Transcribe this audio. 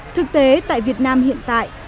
thực tế tại việt nam hiện tại